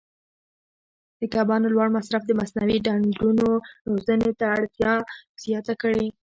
د کبانو لوړ مصرف د مصنوعي ډنډونو روزنې ته اړتیا زیاته کړې.